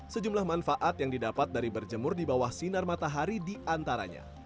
sejumlah manfaat yang didapat dari berjemur di bawah sinar matahari diantaranya